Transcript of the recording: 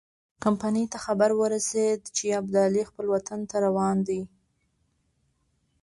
کمپنۍ ته خبر ورسېد چې ابدالي خپل وطن ته روان دی.